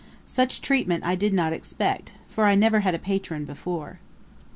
Such treatment I did not expect, for I never had a Patron before.